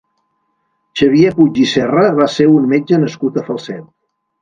Xavier Puig i Serra va ser un metge nascut a Falset.